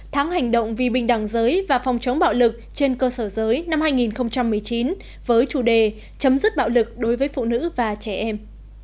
tháng hành động vì bình đẳng giới và phòng chống bạo lực trên cơ sở giới năm hai nghìn một mươi chín với chủ đề chấm dứt bạo lực đối với phụ nữ và trẻ em